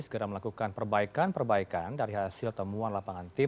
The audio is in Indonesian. segera melakukan perbaikan perbaikan dari hasil temuan lapangan tim